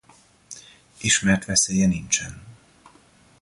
Ismert veszélye nincsen.